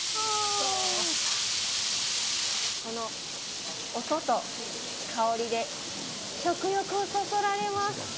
この音と香りで食欲をそそられます。